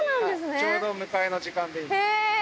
ちょうど迎えの時間で、へえ。